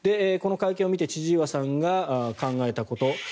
この会見を見て千々岩さんが考えたこと。